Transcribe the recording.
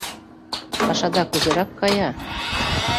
— Пашада кузерак кая?